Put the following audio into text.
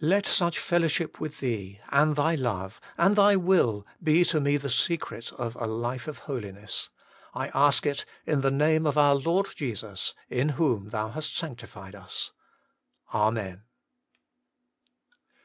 Let such fellowship with Thee, and Thy love, and Thy will be to me the secret of a life of holiness. I ask it in the name of our Lord Jesus, in whom Thou hast sanctified us. Amen.